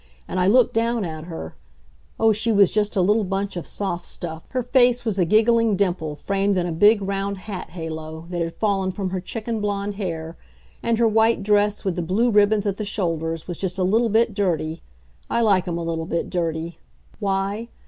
And I looked down at her oh, she was just a little bunch of soft stuff; her face was a giggling dimple, framed in a big round hat halo, that had fallen from her chicken blond head; and her white dress, with the blue ribbons at the shoulders, was just a little bit dirty. I like 'em a little bit dirty. Why?